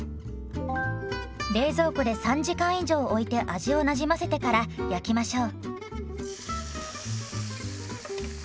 冷蔵庫で３時間以上おいて味をなじませてから焼きましょう。